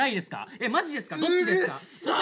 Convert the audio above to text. いやマジですかどっちですか？」